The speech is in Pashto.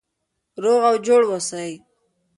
روغ او جوړ اوسئ.